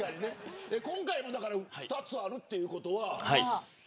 今回も２つあるということは。